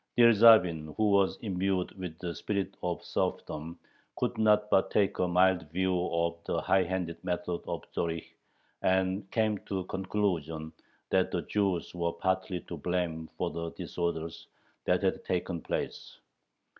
Dyerzhavin, who was imbued with the spirit of serfdom, could not but take a mild view of the high handed methods of Zorich, and came to the conclusion that the Jews were partly to blame for the disorders that had taken place.